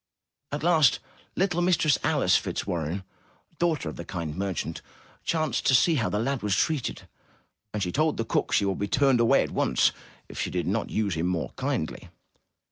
At last, little Mistress Alice Fitzwarren, daughter of the kind merchant, chanced to see how the lad was treated, and she told the cook she should be turned away at once if she did not use him more kindly.